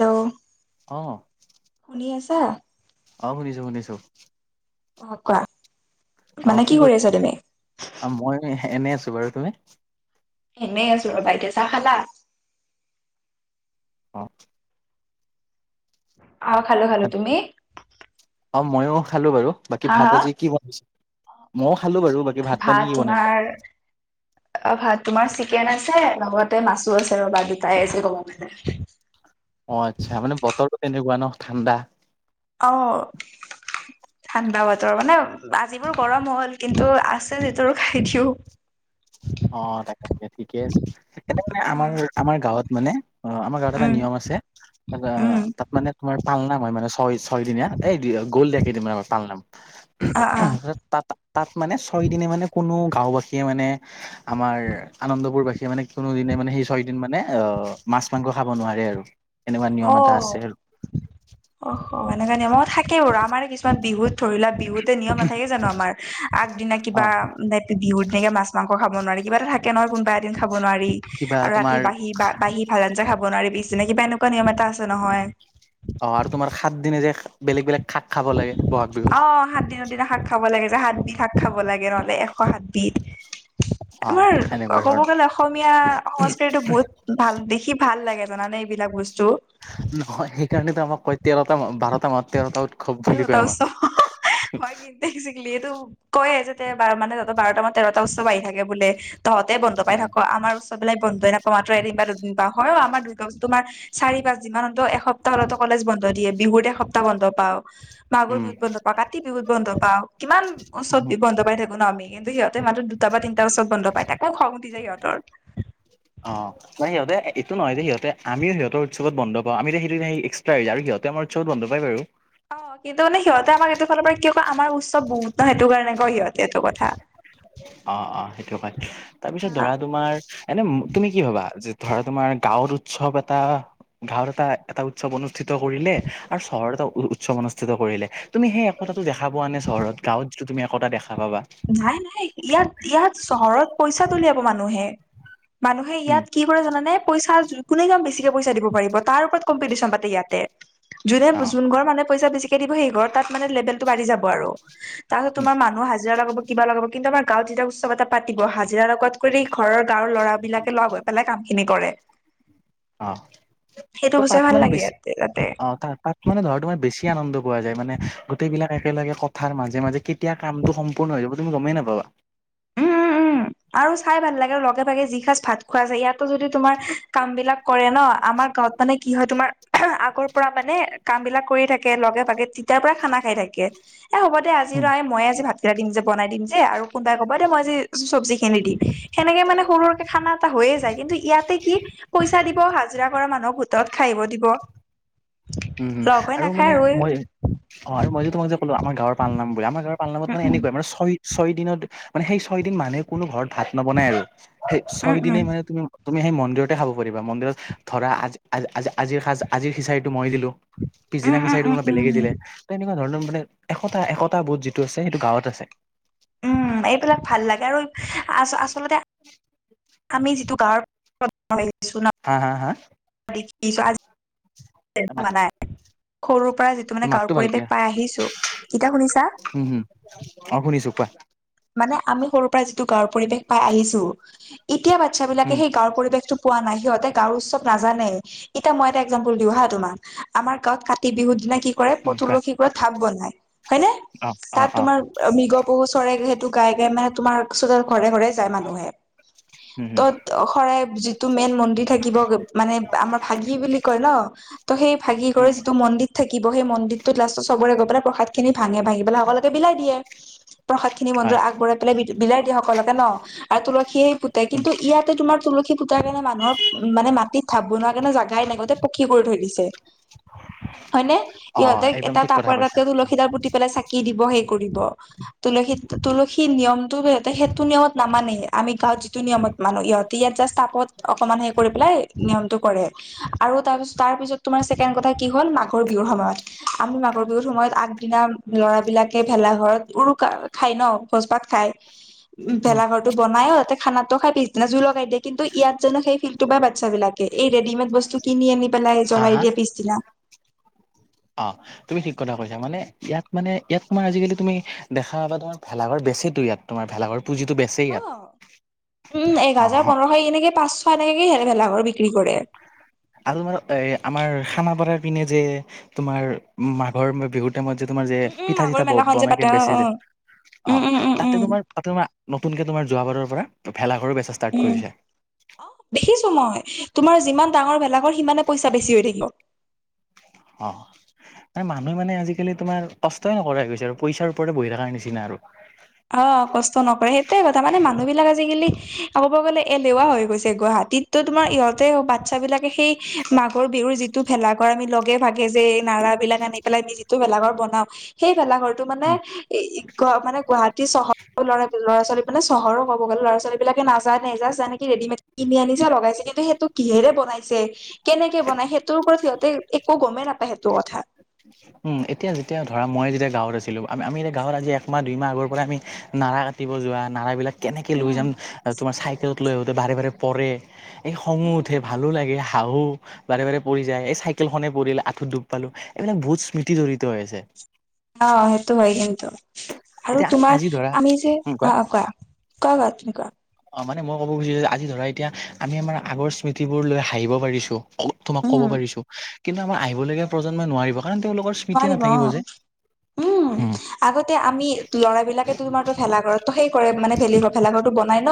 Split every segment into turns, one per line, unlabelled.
Hello!
অ'।
শুনি আছা?
অ', শুনিছোঁ, শুনিছোঁ।
অ', কোৱা। মানে
অ', কি কৰি,
আছা তুমি
মই এনে, এনে আছোঁ বাৰু তুমি?
এনেই আছোঁ ৰ'বা এতিয়া। চাহ খালা?
অ'।
আও, খালোঁ, খালোঁ তুমি?
অ', মইও খালোঁ বাৰু, বাকী
হা
ভাত
হা
আজি কি বনাইছে? মইও খালোঁ বাৰু বা
ভাত তোমাৰ অ', ভাত তোমাৰ চিকেন আছে, লগতে মাছো আছে ৰ'বা দুটাই আছে ক'ব গলে।
অ', আচ্ছা মানে বতৰটো তেনেকুৱা নহ ঠাণ্ডা!
অ'। ঠাণ্ডা বতৰ, মানে আজি বৰ গৰম নহ'ল কিন্তু আছে যিহেতু আৰু খাই দিওঁ।
অ', তাকে, তাকে ঠিকে আছে। এনে
অ
আমাৰ, আমাৰ গাঁৱত মানে আ-আমাৰ গাঁৱত এটা
উম
নিয়ম আছে তাত আ,
উম
তাত মানে তোমাৰ পালনাম হয়, মানে ছয়- ছয়দিনীয়া। এই দি [unintelligible] গ'ল দে কেইদিনমানৰ আগত পালনাম।
অ
তাত, তাত মানে ছয়দিনে মানে কোনো গাঁওবাসীয়ে মানে আমাৰ আনন্দপুৰ বাসীয়ে মানে কোনোদিনে মানে সেই ছয় দিন মানে অ, মাছ, মাংস খাব নোৱাৰে আৰু এনেকুৱা নিয়ম এটা
অ'।
আছে আৰু
অ, স এনেকুৱা নিয়মো থাকেও আমাৰে কিছুমান বিহুত ধৰি লোৱা বিহুত নিয়ম নাথাকে জানো আমাৰ আগদিনা
অ
কিবা বিহুত তেনেকে মাছ, মাংস খাব নোৱাৰি কিবা এটা থাকে নহয়। কোনোবা এদিন খাব নোৱাৰি
কিবা
আৰু ৰাতি
তোমাৰ
বাঢ়ি বা বাঢ়ি ভাল আঞ্জা খাব নোৱাৰি। পিছদিনা কিবা এনেকুৱা নিয়ম এটা আছে নহয়।
অ, আৰু তোমাৰ সাত দিনে যে বেলেগ, বেলেগ শাক খাব লাগে বহাগ বিহুত।
অ, হাত দিনত। দিনা শাক খাব লাগে যে সাতবিধ শাক খাব লাগে নহ'লে এশ সাতবিধ
অ
আমাৰ
সেনেকুৱা
ক'ব
ধৰণৰ
গলে অসমীয়া সংস্কৃতিটো বহুত ভাল দেখি ভাল লাগে জানানে এইবিলাক বস্তু।
নহয় সেইকাৰণেতো আমাক কয় তেৰটা, বাৰটা মাহ তেৰটা উ সব বুলি কয় আমাক।
একজেকলি এইটো কয়ে যে মানে বাৰটা মাহত তেৰটা উৎসৱ আহি থাকে বোলে। তহঁতে বন্ধ পাই থাক আমাৰ উৎসবিলাক বন্ধই নাপাও মাত্ৰ এদিন বা দুদিন বা হয়ও আমাৰ দুৰ্গা পুজা তোমাৰ চাৰি পাঁচদিনমানতো এসপ্তাহ হলেতো কলেজ বন্ধ দিয়ে বিহুত এসপ্তাহ বন্ধ পাও। মাঘৰ
উম
বিহুত বন্ধ পাওঁ, কাতি বিহুত বন্ধ পাওঁ, কিমান ওচৰত বন্ধ পাই থাকো ন আমি। কিন্তু সিহঁতে মাহটোত দুটা বা তিনিটা ওচত বন্ধ পায় তাকো খং উঠি যায় সিহঁতৰ।
অ'। ন, সিহঁতে এইটো নহয় যে সিহঁতে আমিও সিহঁতৰ উৎসৱত বন্ধ পাওঁ আমি সেইটো এক্সট্ৰা হৈ যায় আৰু সিহঁতে আমাৰ উৎসৱত বন্ধ পাই বাৰু।
অ, কিন্তু মানে সিহঁতে আমাক এইটো ফালৰ পৰা কিয় কয় আমাৰ উৎসৱ বহুত ন সেইটো কাৰণে কয় সিহঁতে এইটো কথা
অ', অ', সেইটো কথা তাৰপিছত
অ
ধৰা তোমাৰ এনে তুমি কি ভবা যে ধৰা তোমাৰ গাঁৱৰ উৎসৱ এটা গাঁৱত এটা এটা উৎসৱ অনুষ্ঠিত কৰিলে আৰু চহৰত এটা উৎসৱ অনুষ্ঠিত কৰিলে তুমি সেই একতাটো দেখা পোৱা নে চহৰত গাঁৱত যিটো তুমি একতা দেখা পাবা।
নাই, নাই ইয়াত ইয়াত চহৰত পইচা তোলে [unintelligible] মানুহে। মানুহে
উম
ইয়াত কি কৰে জানানে? পইচা কোনে কিমান বেছিকে পইচা দিব পাৰিব তাৰ ওপৰত কম্পিটিশ্যন পাতে ইয়াতে যোনে,
অ
যোন ঘৰ মানে পইচা বেছিকে দিব সেই ঘৰ তাত মানে লেবেলটো বাঢ়ি যাব আৰু। তাৰপাছত
উম
তোমাৰ মানুহ হাজিৰা লগাব কিবা লগাব কিন্তু আমাৰ গাঁৱত যেতিয়া উৎসৱ এটা পাতিব হাজিৰা লগ কৰি ঘৰৰ গাঁৱৰ ল'ৰা বিলাকে লগ হৈ পেলাই কাম খিনি কৰে।
অ,
সেইটো বস্তু
ত-তাত
ভাল
মানে
লাগে
বেছি
ইয়াতে তাতে।
অ, তাত-তাত মানে ধৰা তোমাৰ বেছি আনন্দ পোৱা যায় মানে গোটেই বিলাক একেলগে ক তাৰ মাজে, মাজে কেতিয়া কামটো সম্পূৰ্ণ হৈ যাব তুমি গমেই নাপাবা।
উম, উম, উম, আৰু চাই ভাল লাগে, লগে ভাগে যি সাঁজ ভাত খোৱা যায় ইয়াতো যদি তোমাৰ কাম বিলাক কৰে ন, আমাৰ গাঁৱত মানে কি হয় তোমাৰ আগৰ পৰা মানে কাম বিলাক কৰি থাকে লগে ভাগে তেতিয়াৰ পৰাই খানা খাই থাকে। এ, হ'ব দে
উম
আজিলে মইয়ে আজি ভাতকেইটা দিম যে বনাই দিম যে আৰু কোনোবাই ক দে মই যে চব্জি খিনি দিম সেনেকে মানে সৰু, সৰুকে খানা এটা হৈয়ে যায়। কিন্তু ইয়াতে কি পইচা দিব হাজিৰা কৰা মানুহক [unintelligible] খাইব দিব।
উম, উম,
লগ হৈ
আৰু
নাখায়
মানে মই অ, আৰু মই যে তোমাক যে কলো আমৰ গাঁৱৰ পাল নাম বুলি আমাৰ গাঁৱৰ পাল নামত মানে এনেকুৱাই [unintelligible] ছয় দিনত মানে সেই ছয়দিন মানুহে কোনো ঘৰত ভাত নবনায় আৰু সেই
উম উম
ছয়
উম
দিনে মানে তুমি তুমি সেই মন্দিৰতে খাব পাৰিবা মন্দিৰত ধৰা আজি আজিৰ, আজিৰ খিচাৰিটো মই দিলো।
উম
পিছদিনা
উম
খিচাৰিটো
উম
কোনোবা
উম
বেলেগে
উম
দিলে ত এনেকুৱা ধৰণৰ মানে একতা, একতা বোৰ যিটো আছে সেইটো গাঁৱত আছে।
উম, এইবিলাক ভাল লাগে আৰু আ-আচলতে আমি যিটো গাঁৱৰ [unintelligible]
হা- হা- হা?
[inaudible] [unintelligible] নাই। সৰুৰ পৰা যিটো মানে
মাততো
গাঁৱৰ
ভালকে
পৰিৱেশ পাই আহিছোঁ। এতিয়া শুনিছা?
উম হম অ', শুনিছোঁ কোৱা।
মানে আমি সৰুৰ পৰা যিটো গাঁৱৰ পৰিৱেশ পাই আহিছোঁ, এতিয়া বাটচ্ছাবিলাকে
উম
সেই গাঁৱৰ পৰিৱেশটো পোৱা নাই সিহঁতে গাঁও উৎসৱ নাজানে, এতিয়া মই এটা একজাম্পল দিওঁ হা, তোমাক আমাৰ গাঁৱত কা কাতি বিহুৰ দিনা কি কৰে,
উম কোৱা
তুলসিৰ তলত ধাপ বনাই হয়নে?
অ অ
তাত
অ
তোমাৰ মৃগপহু চৰে, সেইটো গাই, গাই মানে তোমাৰ ওচৰৰ ঘৰে, ঘৰে যায় মানুহ।
উম হম
ত'ত শৰাই যিটো মেইন মন্দিৰ থাকিব, মানে আমাৰ ভাগি বুলি কয় ন! ত' সেই ভাগি
উম
কৰে যিটো মন্দিত থাকিব সেই মন্দিৰ ত'ত লাষ্টত চবৰে গৈ পেলাই প্ৰসাদখিনি ভাঙে, ভাঙিপেলাই সকলোকে বিলাই দিয়ে। প্ৰসাদ খিনি
হয়
মন্দিৰত আগবঢ়াই পেলাই বিলাই দিয়ে সকলোকে ন, আৰু তুলসিয়েই পুতে কিন্তু ইয়াতে তোমাৰ তুলসী পুতাৰ কাৰণে মানুহৰ মানে মাটিত ধাপ বনোৱাৰ কাৰণে জাগাই নাই গতে পকী কৰি থৈ দিছে। হয়নে?
অ
ইহঁতে
একদম
এটা
ঠিক কথা
টাবৰ তাতে
কৈছা
তুলসী দাল পুতি পেলাই চাকি কি দিব সেই কৰিব তুলসী তুলসী নিয়মটো সিহঁতে সেইটো নিয়মত নামানেই, আমি গাঁৱত যিটো নিয়মত মানো। ইহতি ইয়াত জাষ্ট টাবত অকমান হেৰি কৰি পেলাই নিয়মটো কৰে। আৰু তাৰপিছ- তাৰপিছত তোমাৰ ছেকেণ্ড কথা কি হ'ল মাঘৰ বিহুৰ সময়ত আমি মাঘৰ বিহুুৰ সময়ত আগদিনা ল'ৰাবিলাকে ভেলা ঘৰত উৰুকা খাই ন, ভোজ ভাত খাই উম, ভেলাঘৰটো বনাইও সিহঁতে খানাটো খাই পিছদিনা জুই লগাই দিয়ে, কিন্তু ইয়াত জানো সেই ফিল্ডটো পায় বাচ্ছাবিলাকে কে ৰেডিমেড বস্তু কিনি আনি পেলাই
হা
জ্বলাই
হা
দিয়ে পিছদিনা।
অ'। তুমি ঠিক কথা কৈছা, মানে ইয়াত মানে ইয়াত তোমাৰ আজিকালি তুমি দেখা পাবা তোমাৰ ভেলাঘৰ বেছিতো ইয়াত। তোমাৰ ভেলাঘৰ পুজিটো বে
অ', উম, এক হাজাৰ পোন্ধৰশ এনেকে পাঁচশ এনেকে ভেলাঘৰ বিক্ৰী কৰে।
আৰু মানে এ, আমাৰ খানাপাৰাৰ পিনে যে তোমাৰ মাঘৰ বিহুত যে তোমাৰ যে
উম উম
পিঠা
মাঘৰ
চিঠা
মেলাখন যে পাতে
বনাই
অ
বেচে
অ
যে,
উম
অ',
উম উম
তাতে
উম
তোমাৰ তাতে তোমাৰ নতুনকে তোমাৰ যোৱা বাৰৰ পৰা ভেলাঘৰ বেচা ষ্টাৰ্ট কৰিছে।
অ', দেখিছোঁ মই। তোমাৰ যিমান ডাঙৰ ভেলাঘৰ সিমানে পইচা বেছি হৈ থাকিব।
অ'। মানুহে মানে আজিকালি তোমাৰ কষ্টই নকৰাই হৈ গৈছে, আৰু পইচাৰ ওপৰতে বহি থাকাৰ নিচিনা আৰু।
অ', কষ্ট নকৰে সেইটোৱে কথা মানে মানুহবিলাক আজিকালি ক'ব গ'লে এলেহুৱা হৈ গৈছে। গুৱাহাটীত ত' তোমাৰ ইহঁতে বাচ্ছাবিলাকে সেই মাঘৰ বিহুৰ যিটো ভেলা ঘৰ আমি লগে ভাগে যে এই নাৰাবিলাক আনি পেলাই আমি যিটো ভেলাঘৰ বনাওঁ, সেই ভেলাঘৰ এইটো মানে, এই গু মানে গুৱাহাটীৰ চহৰৰ ল'ৰা ছোৱালী মানে চহৰৰ ক'ব গ'লে ল'ৰাছোৱালীবিলাকে নাজানেই। জাষ্ট যেনেকে ৰেডিমেড কিনি আনিছে লগাইছে কিন্তু সেইটো কিহেৰে বনাইছে, কেনেকে বনাই সেইটোৰ ওপৰত সিহঁতে একো গমেই নাপায় সেইটো কথা।
উম, এতিয়া যেতিয়া ধৰা মই যেতিয়া গাঁৱত আছিলোঁ, আমি যেতিয়া গাঁৱত আজি একমাহ দুই মাহ আগৰ পৰাই আমি নাৰা কাটিব যোৱা, নাৰাবিলাক কেনেকে লৈ
উম
যাম, তোমাৰ চাইকেলত লৈ আহোঁতে বাৰে, বাৰে পৰে। এই খঙো উঠে
উম
ভালো লাগে হাহোঁ বাৰে, বাৰে পৰি যায়। এই চাইকেলখনেই পৰিল, আঁঠুত দুখ পালোঁ। এইবিলাক বহুত স্মৃতি জড়িত হৈ আছে।
অ', সেইটো হয়, কিন্তু আৰু
এতিয়া আজি
তোমাৰ
ধৰা
আমি যে
উম, কোৱা
অ', অ', কোৱা? [inaudible]
অ', মানে মই ক'ব খুজিছোঁ যে আজি ধৰা এতিয়া আমি আমাৰ আগৰ স্মৃতিবোৰ লৈ হাঁহিব পাৰিছোঁ [unintelligible] তোমাক ক'ব
উম
পাৰিছোঁ, কিন্তু আমাৰ আহিবলগীয়া প্ৰজন্মই নোৱাৰিব কাৰণ তেওঁলোকৰ স্মৃতিয়ে
নোৱাৰিব
নাথাকিব
অ',
যে
উম, আগতে আমি ল'ৰাবিলাকে তোমাৰ ভেলাঘৰত ত' সেই কৰে মানে ভেলিঘৰ, ভেলাঘৰটো বনাই ন,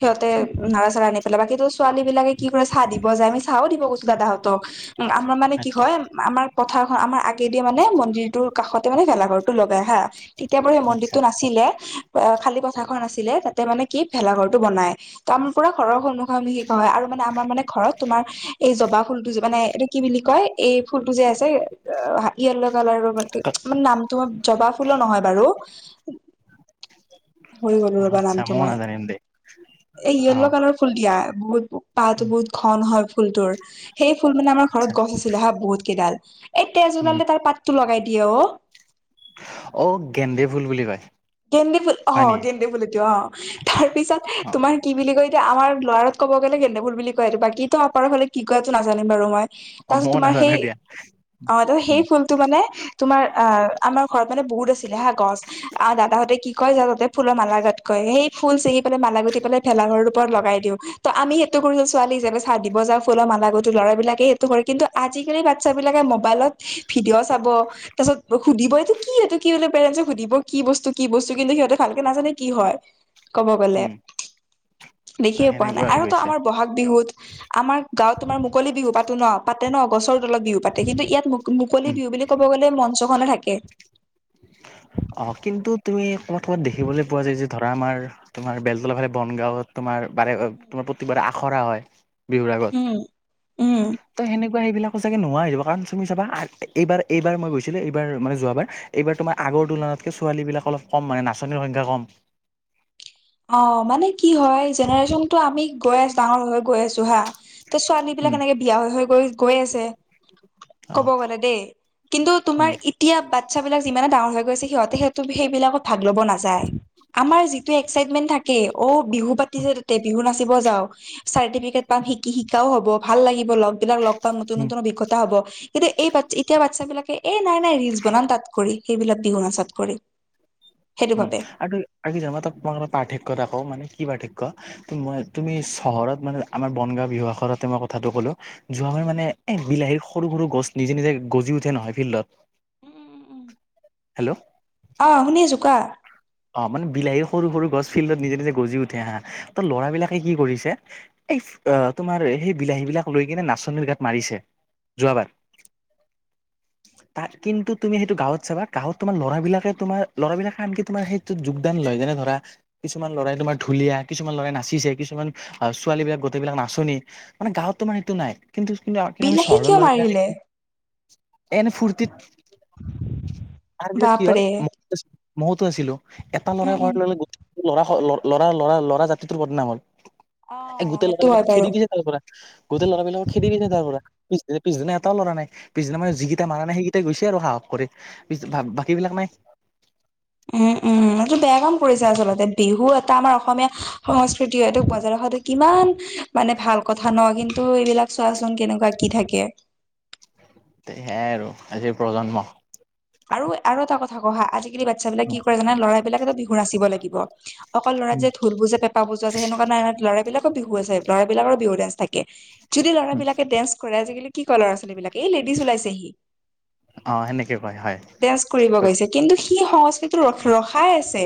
সিহঁতে নাৰা চাৰা আনি পেলাই, বাকীটো ছো ছোৱালী বিলাকে কি কৰে চাহ দিব যায় আমি চাহও দিব গৈছো দাদাহঁতক। আমাৰ মানে কি
আচ্ছা
হয় আমাৰ পথাৰখন আমাৰ আগেদিয়ে মানে মন্দিৰটোৰ কাষতে মানে ভেলাঘৰটো লগাই হা। তেতিয়া বাৰু সেই
আচ্ছা
মন্দিৰটো নাছিলে। অ' খালী পথাৰ খন আছিলে তাতে মানে কি ভেলা ঘৰটো বনাই ত' আমাৰ পুৰা ঘৰৰ সন্মুখ ত' মিহিক হয় আৰু মানে আমাৰ মানে ঘৰত তোমাৰ এই জবা ফুলটো মানে এইটো কি বুলি কয়? এই ফুলটো যে আছে, য়েল্ল' কালাৰৰ [unintelligible] মানে নামটো জবাফুলো নহয় বাৰু। হৰি গ'লো ৰবা
আচ্ছা
নামটো মই,
নাজানিম দেই
এই য়ল্ল'
অ',
কালাৰ ফুল দিয়া। বহুত পাতবোৰ বহুত ঘন হয় ফুলটোৰ। সেই ফুল মানে আমাৰ ঘৰত
আচ্ছা
গছ আছিলে হা, বহুত কেইডাল। এই তেজ
উম,
ওলালে তাৰ পাতটো লগাই দিয়ে অ।
অ' গেন্দে ফুল বুলি কয়।
গেন্দে ফুল
হয়
অ',
নেকি?
গেন্দে ফুল এইটো অ'। তাৰ পিছত
অ',
তোমাৰ কি বুলি কয়, এতিয়া আমাৰ লৱাৰত ক'ব গ'লে গেন্দে ফুল বুলি কয় এইটো। বাকীতো আপাৰৰ ফালে কি কয় এইটো নাজানিম বাৰু মই।
অ',
তাৰপিছত
ময়ো
তোমাৰ সেই
নাজানো দিয়া
অ' সেই
উম,
ফুলটো মানে তোমাৰ, আ-আমাৰ ঘৰত মানে বহুত আছিলে হা, গছ। আৰু দাদাহঁতে কি কয়, যা তহঁতে ফুলৰ মালা গাঁঠ কয়। সেই ফুল চিঙি পেলাই মালা গাঁঠি পেলাই ভেলাঘৰৰ ওপৰত লগাই দিওঁ। ত' আমি সেইটো কৰোঁ, ছোৱালী হিচাপে চাহ দিব যাওঁ, ফুলৰ মালা গঁঠু, ল'ৰাবিলাকে সেইটো কৰে। কিন্তু আজিকালি [unintelligible] বিলাকে মোবাইলত ভিডিঅ' চাব। তাৰ পাছত সুধিব, এইটো কি, এইটো কি, বুলি পেৰেন্টছক সুধিব কি বস্তু, কি বস্তু, কিন্তু সিহঁতে ভালকে নাজানে কি হয়। ক'ব গ'লে।
উম, ত'
দেখিয়ে পোৱা নাই।
সেনেকুৱা হৈ
আৰুতো
গৈছে
আমাৰ ব'হাগ বিহুত। আমাৰ গাঁওত তোমাৰ মুকলি বিহু পাতো ন, পাতে ন, গছৰ তলত বিহু পাতে। কিন্তু ইয়াত মুকলি
উম।
বিহু বুলি ক'ব গ'লে মঞ্চখনে থাকে।
[inaudible] অ', কিন্তু তুমি ক'বাত ক'বাত দেখিবলৈ পোৱা যায় যে ধৰা, আমাৰ তোমাৰ বেলতলা ফালে বনগাঁৱত তোমাৰ মানে তোমাৰ প্ৰতিবাৰে আখৰা হয় বিহুৰ আগত।
উম উম।
ত' সেনেকুৱা সেইবিলাকো চাগে নোহোৱা হৈ যাব। কাৰণ তুমি চাবা, এইবাৰ এইবাৰ মই গৈছিলো এইবাৰ মানে যোৱাবাৰ এইবাৰ তোমাৰ আগৰ তুলনাতকৈ ছোৱালীবিলাক অলপ কম, মানে নাচনীৰ সংখ্যা কম।
অ', মানে কি হয়, জেনেৰেশ্যনটো আমি গৈ আছোঁ, ডাঙৰ হৈ গৈ আছোঁ, হা। ত'
উম,
ছোৱালীবিলাক এনেকে বিয়া হৈ হৈ গৈ আছে। ক'ব
অ',
গ'লে দেই। কিন্তু তোমাৰ
উম,
এতিয়া বাচ্ছাবিলাক যিমানে ডাঙৰ হৈ গৈ আছে, সিহঁতে সেইটো সেইবিলাকত ভাগ ল'ব নাযায়। আমাৰ যিটো এক্সাইটমেণ্ট থাকে, অ' বিহু পাতিছে তাতে, বিহু নাচিব যাওঁ চাৰ্টিফিকেট পাম, শিকি-শিকাও হ'ব, ভাল লাগিব লগবিলাক লগ পাম, নতুন
উম,
নতুন অভিজ্ঞতা হ'ব। কিন্তু এই, এতিয়া বাচ্ছাবিলাকে, এ নাই নাই ৰিলচ বনাম তাত কৰি, সেইবিলাক বিহু নাচাত কৰি। সেইটো
উম।
ভাবে
আৰু তই [unintelligible] পাৰ্থক্য এটা কওঁ মানে কি পাৰ্থক্য মই
উম
তুমি চহৰত মানে আমাৰ বনগাঁও বিহু আখৰাতে মই কথাটো ক'লো। যোৱাবাৰ
উম
মানে এ বিলাহীৰ সৰু সৰু গছ নিজে নিজে গজি উঠে নহয় ফিল্ডত।
উম, উম, উম।
হেল্ল'।
অ', শুনি আছোঁ, কোৱা।
অ', মানে বিলাহী সৰু সৰু গছ ফিল্ডত নিজে নিজে গজি উঠে হা, ত' ল'ৰাবিলাকে কি কৰিছে এই তোমাৰ সেই বিলাহীবিলাক লৈ কিনে নাচনীৰ গাত মাৰিছে। যোৱাবাৰ।
[inaudible]
তাত কিন্তু তুমি সেইটো গাঁৱত চাবা, গাঁৱত তোমাৰ লৰাবিলাকে তোমাৰ ল'ৰাবিলাকে আনকি তোমাৰ সেই যোগদান লয়, যেনে ধৰা কিছুমান ল'ৰাই তোমাৰ ঢুলীয়া, কিছুমান ল'ৰাই নাচিছে, কিছুমান ছোৱালীবিলাক গোটেইবিলাক নাচনী। মানে গাঁৱতটো মানে এইটো নাই। কিন্তু, কিন্তু, কিন্তু আমি
বিলাহী
চহৰৰ
কিয় মাৰিলে
ল'ৰাবিলকে এনে ফুৰ্তিত, তাৰপিছত কি হ'ল!
বাপৰে
ম [unintelligible] ময়তো আছিলো এটা ল'ৰাই
উম উম
কৰাৰ লগে, লগে গোটেইটো ল'ৰা, ল'ৰা, ল'ৰা, ল'ৰা, জাতিটোৰ বদনাম হয়।
অ
এ, গোটেই
সেইটো হয়
ল'ৰাবিলাকক
বাৰু
খেদি দিলে তাৰপৰা, গোটেই ল'ৰাবিলাকক খেদি দিলে তাৰ পৰা। পিছদিনা, পিছদিনা এটাও ল'ৰা নাই। পিছদিনা মানে যিকেইটা মাৰা নাই সেইকেইটা গৈছে আৰু সাহস কৰি। [unintelligible] বাকীবিলাক নাই।
উম, উম। এইটো বেয়া কাম কৰিছে, আচলতে বিহু এটা আমাৰ অসমীয়া সংস্কৃতি হয়, এইটোক বজাই ৰখাটো কিমান মানে ভাল কথা ন' কিন্তু এইবিলাক চোৱাচোন কেনেকুৱা কি থাকে।
সেয়াই আৰু আজিৰ প্ৰজন্ম।
আৰু, আৰু এটা কথা কওঁ হা' আজিকালি বাচ্ছাবিলাকে কি কৰে জানা ল'ৰা বিলাকেতো বিহু নাচিব লাগিব। অকল ল'ৰা যে ঢোল বুজে পেপা বুজোৱা আছে সেনেকুৱা নাই, ল'ৰাবলিলাকৰ বিহু আছে ল'ৰাবিলাকৰো বিহু ডেন্স থাকে। যদি ল'ৰাবিলাকে ডেন্স কৰে আজিকালি কি কয় ল'ৰা ছোৱালীবিলাকে এই লেডিজ ওলাইছেহি।
অ', সেনেক কয় হয়।
ডেন্স কৰিব
ঠিক
গৈছে, কিন্তু সি সংস্কৃতিটো ৰ-ৰখাই আছে।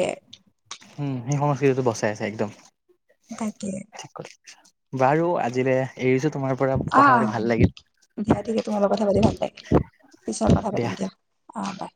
উম, সি সংস্কৃতিটো বচাই আছে একদম।
তাকে।
বাৰু আজিলে এৰিছোঁ তোমাৰ পৰা কথা
আহ,
পাতি ভাল লাগিল
দিয়া ঠিকে তোমাৰ লগত কথা পাতি ভাল লাগিল, পিছত কথা পাতিম দিয়া। অ', বাই।